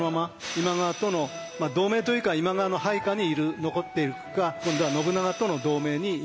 今川との同盟というか今川の配下にいる残っていくか今度は信長との同盟にいくか